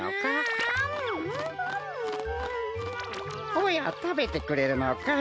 おやたべてくれるのかい？